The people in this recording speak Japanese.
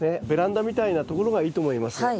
ベランダみたいなところがいいと思います。